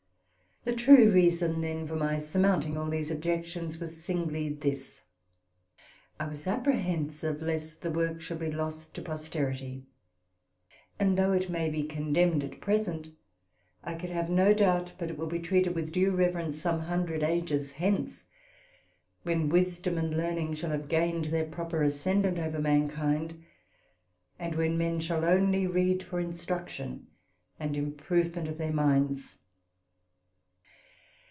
The true reason then for my surmounting all these objections was singly this: I was apprehensive lest the work should be lost to posterity; and though it may be condemned at present, I can have no doubt but it will be treated with due reverence some hundred ages hence, when wisdom and learning shall have gained their proper ascendant over mankind, and when men shall only read for instruction and improvement of their minds.